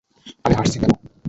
আমি হাসছি কেন?